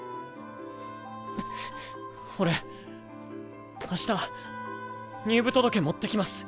俺明日入部届持ってきます！